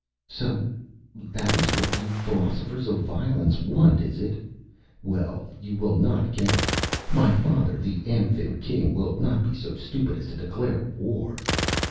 "So that is what you Philosophers of Violence want, is it? Well, you will not get it. My father, the Amphib King, will not be so stupid as to declare a war."